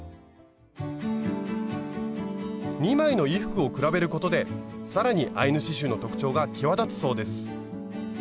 ２枚の衣服を比べることで更にアイヌ刺しゅうの特徴が際立つそうです。